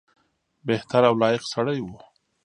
بهتر او لایق سړی وو.